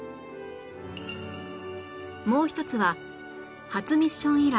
もう一つは初ミッション以来